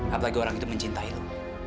apalagi orang itu mencintai lu